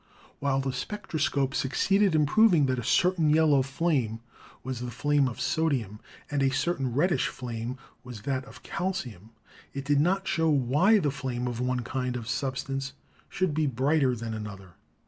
While the spectroscope succeeded in proving that a cer tain yellow flame was the flame of sodium and a certain reddish flame was that of calcium, it did not show why the flame of one kind of substance should be brighter than another.